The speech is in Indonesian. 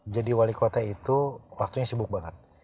jadi wali kota itu waktunya sibuk banget